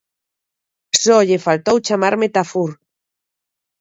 Só lle faltou chamarme tafur.